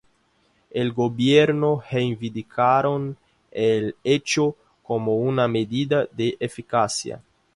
El gobierno reivindicaron el hecho como una medida de eficiencia.